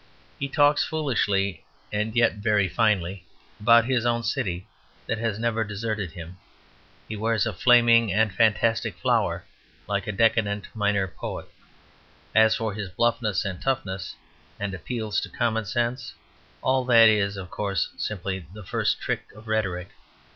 He talks foolishly and yet very finely about his own city that has never deserted him. He wears a flaming and fantastic flower, like a decadent minor poet. As for his bluffness and toughness and appeals to common sense, all that is, of course, simply the first trick of rhetoric.